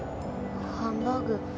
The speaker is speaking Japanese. ハンバーグ。